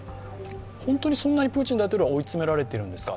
本当にそんなにプーチン大統領は追い詰められているんですか。